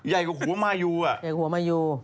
ใหญ่กว่าหัวมายู